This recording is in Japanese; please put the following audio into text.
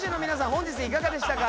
本日いかがでしたか？